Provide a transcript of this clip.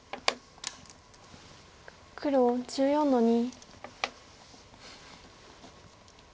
黒１４の二。